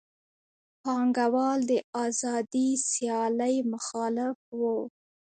پانګوال د آزادې سیالۍ مخالف وو